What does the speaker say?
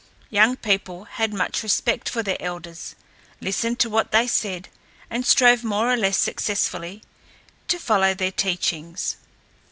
Young people had much respect for their elders, listened to what they said, and strove more or less successfully to follow their teachings.